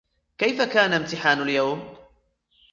كيف كان امتحان اليوم ؟